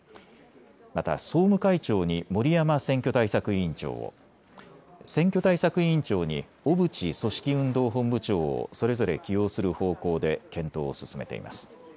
また総務会長に森山選挙対策委員長を、選挙対策委員長に小渕組織運動本部長をそれぞれ起用する方向で検討を進めています。